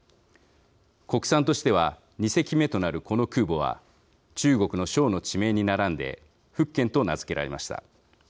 国産としては２隻目となるこの空母は中国の省の地名にならんで福建と名付けられました。